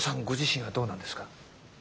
ご自身はどうなんですか？